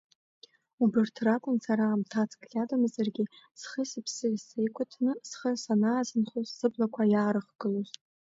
Убырҭ ракәын сара аамҭацк иадамзаргьы схи-сыԥси сеиқәиҭны схы санаазынхоз сыблақәа иаарыхгылоз.